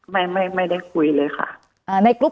ไม่ได้คุยเลยค่ะ